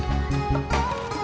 yaudah aku di sini ya